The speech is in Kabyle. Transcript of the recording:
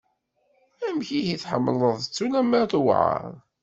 Amek! Ihi tḥemmleḍ-tt ulamma tuɛer?